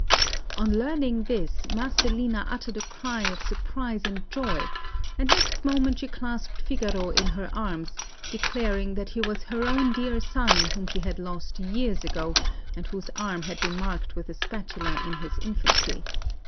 On learning this, Marcellina uttered a cry of surprise and joy, and next moment she clasped Figaro in her arms, declaring that he was her own dear son, whom she had lost years ago, and whose arm had been marked with a spatula in his infancy.